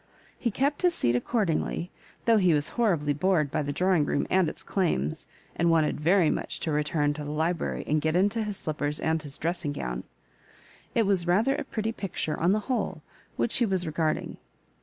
He kept his seat accordingly, though he was horribly bored by the drawing room and its clauns, and wanted very much to return to the library, and get into his slippers and his dressing gown. It was rather a pretty picture, on the whole, which he was regarding.